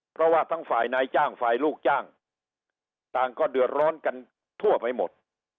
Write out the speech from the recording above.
เพราะว่าทั้งฝ่ายนายจ้างฝ่ายลูกจ้างต่างก็เดือดร้อนกันทั่วไปหมด